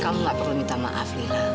kamu gak perlu minta maaf